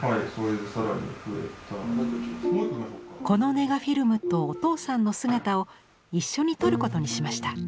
このネガフィルムとお父さんの姿を一緒に撮ることにしました。